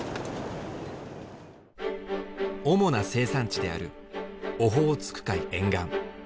主な生産地であるオホーツク海沿岸。